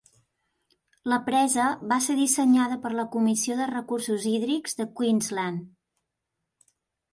La presa va ser dissenyada per la Comissió de Recursos Hídrics de Queensland.